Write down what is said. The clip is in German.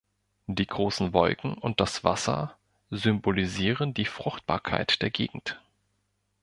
Die großen Wolken und das Wasser symbolisieren die Fruchtbarkeit der Gegend.